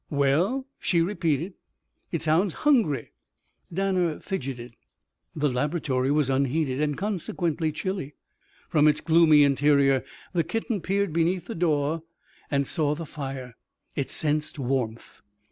"Well," she repeated, "it sounds hungry." Danner fidgeted. The laboratory was unheated and consequently chilly. From its gloomy interior the kitten peered beneath the door and saw the fire. It sensed warmth.